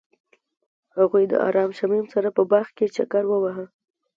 هغوی د آرام شمیم سره په باغ کې چکر وواهه.